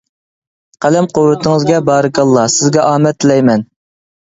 قەلەم قۇۋۋىتىڭىزگە بارىكاللا. سىزگە ئامەت تىلەيمەن!